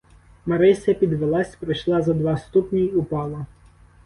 Марися підвелась, пройшла зо два ступні й упала.